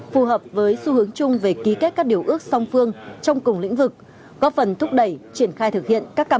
phù hợp với xu hướng chung về ký kết các điều ước song phương trong cùng lĩnh vực